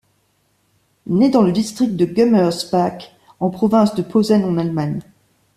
Né dans le district de Gummersbach en province de Posen en Allemagne.